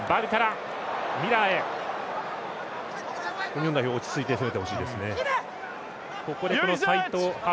日本代表落ち着いてプレーしてほしいです。